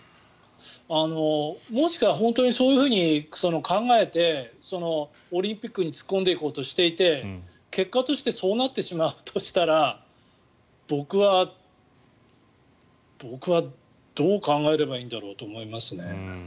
もしくは本当にそういうふうに考えてオリンピックに突っ込んでいこうとしていて結果としてそうなってしまうとしたら僕はどう考えればいいんだろうと思いますね。